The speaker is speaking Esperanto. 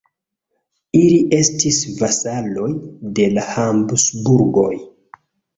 Ili estis vasaloj de la Habsburgoj.